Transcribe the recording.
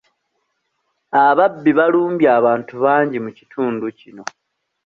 Ababbi balumbye abantu bangi mu kitundu kino.